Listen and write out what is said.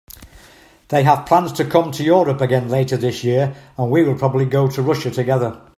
They have plans to come to Europe again later this year, and we will probably go to Russia together.